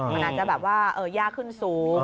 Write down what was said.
มันอาจจะแบบว่ายากขึ้นสูง